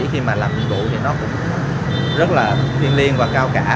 khi mà làm nhiệm vụ thì nó cũng rất là thiên liêng và cao cả